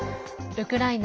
ウクライナ